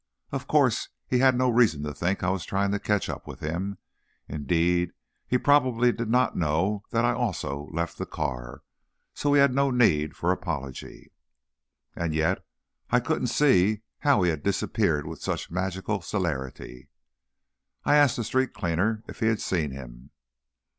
Of course, he had no reason to think I was trying to catch up with him, indeed, he probably did not know that I also left the car, so he had no need for apology. And yet, I couldn't see how he had disappeared with such magical celerity. I asked a street cleaner if he had seen him.